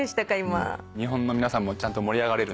日本の皆さんもちゃんと盛り上がれるんだっていう。